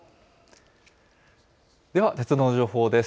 では鉄道の情報です。